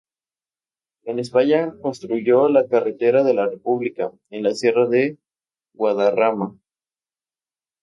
En España construyó la Carretera de la República, en la Sierra de Guadarrama.